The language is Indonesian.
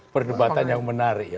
perdebatan yang menarik ya